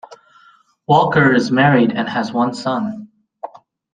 Walker is married and has one son.